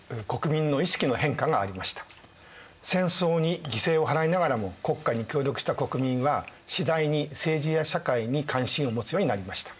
戦争に犠牲を払いながらも国家に協力した国民は次第に政治や社会に関心を持つようになりました。